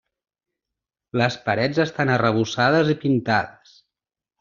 Les parets estan arrebossades i pintades.